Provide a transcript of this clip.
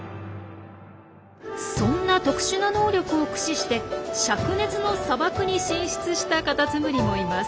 そんな特殊な能力を駆使してしゃく熱の砂漠に進出したカタツムリもいます。